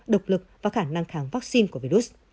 độc lực và khả năng kháng vaccine của virus